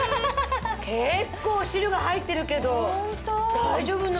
結構汁が入ってるけど大丈夫なんだ。